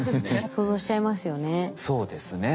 想像しちゃいますよね。